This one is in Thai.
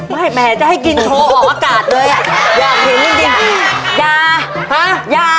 ไม่ได้นะตอนเนี้ย